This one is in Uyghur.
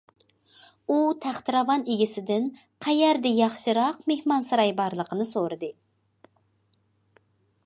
ئۇ تەختىراۋان ئىگىسىدىن قەيەردە ياخشىراق مېھمانساراي بارلىقىنى سورىدى.